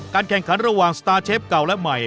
แข่งขันระหว่างสตาร์เชฟเก่าและใหม่